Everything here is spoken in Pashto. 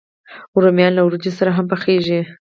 رومیان له وریجو سره هم پخېږي